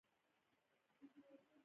د مڼو د کرم مخه څنګه ونیسم؟